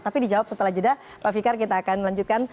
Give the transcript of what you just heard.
tapi dijawab setelah jeda pak fikar kita akan lanjutkan